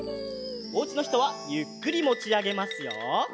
おうちのひとはゆっくりもちあげますよ。